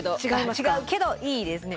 違うけどいいですね。